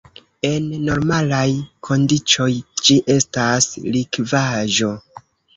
En normalaj kondiĉoj ĝi estas likvaĵo.